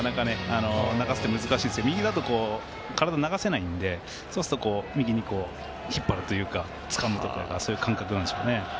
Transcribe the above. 体流すの難しいですが右だと体を流せないのでそうすると右に引っ張るというかつかむっていう感覚なんでしょうね。